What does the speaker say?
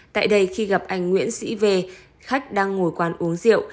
tại đây khi gặp anh nguyễn sĩ v khách đang ngồi quán uống rượu